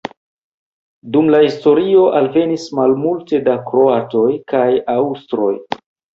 Dum la historio alvenis malmulte da kroatoj kaj aŭstroj.